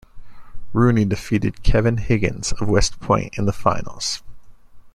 Rooney defeated Kevin Higgins of West Point in the finals.